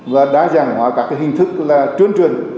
và đa dạng hóa các hình thức là truyền truyền